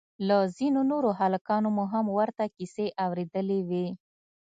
له ځينو نورو هلکانو مو هم ورته کيسې اورېدلې وې.